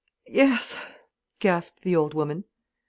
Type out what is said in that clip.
"Yes," gasped the old woman.